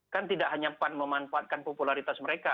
kan tidak hanya pan memanfaatkan popularitas mereka